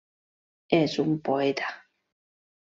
És un poeta.